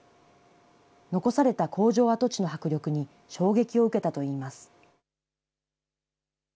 残された工場跡地の迫力に衝撃を受けたといいます。